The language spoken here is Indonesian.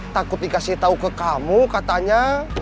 takut dikasih tahu ke kamu katanya